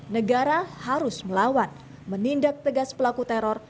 negara harus melawan menindak tegas pelaku teror